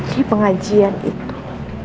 di pengajian itu